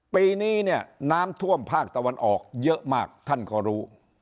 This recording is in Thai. ปีนี้เนี่ยน้ำท่วมภาคตะวันออกเยอะมากท่านก็รู้